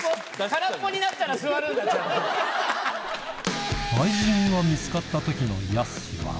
空っぽになったら座るんだ、愛人が見つかったときのやすしは。